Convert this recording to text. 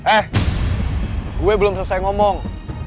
eh gue belum selesai ngomong